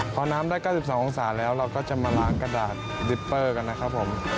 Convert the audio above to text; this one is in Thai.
พอน้ำได้๙๒องศาแล้วเราก็จะมาล้างกระดาษวิปเปอร์กันนะครับผม